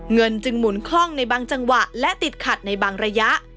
เงินจึงหมุนคล่องในบางจังหวะและติดขัดในบางระยะ